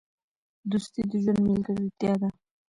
دوستي د ژوند ملګرتیا ده.